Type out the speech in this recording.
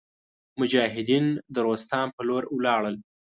مجاهدین د روستام په لور ولاړل.